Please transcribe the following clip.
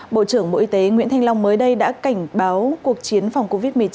bộ trưởng bộ y tế nguyễn thanh long mới đây đã cảnh báo cuộc chiến phòng covid một mươi chín